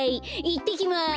いってきます！